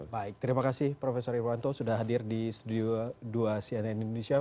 baik terima kasih prof irwanto sudah hadir di studio dua cnn indonesia